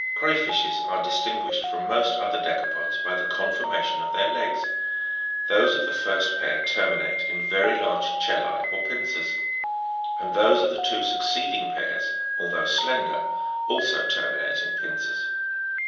Cray fishes are distinguished from most other decapods by the conformation of their legs; those of the first pair terminate in very large chela? or pincers ; and those of the two succeeding pairs, although slender, also terminate in pincers.